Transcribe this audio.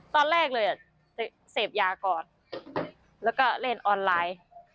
ตอนแรกเลยเสพยาก่อนแล้วก็เล่นออนไลน์